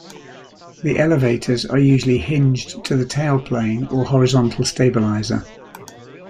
The elevators are usually hinged to the tailplane or horizontal stabilizer.